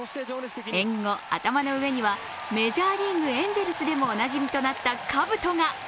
演技後、頭の上にはメジャーリーグ、エンゼルスでもおなじみとなったかぶとが。